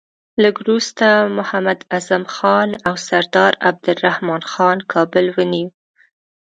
لږ وروسته محمد اعظم خان او سردار عبدالرحمن خان کابل ونیوی.